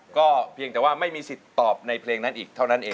ก็เพียงแต่ว่าไม่มีสิทธิ์ตอบในเพลงนั้นอีกเท่านั้นเอง